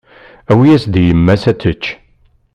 Awi-yas-d i yemma ad tečč.